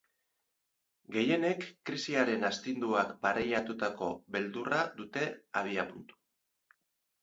Gehienek krisiaren astinduak barreiatutako beldurra dute abiapuntu.